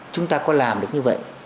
chúng ta có làm được như vậy